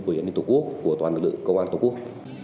về an ninh tổ quốc của toàn lực lượng công an tổ quốc